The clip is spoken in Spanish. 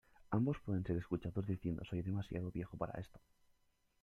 Ambos pueden ser escuchados diciendo: "Soy demasiado viejo para esto.